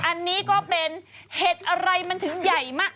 อันนี้ก็เป็นเห็ดอะไรมันถึงใหญ่มาก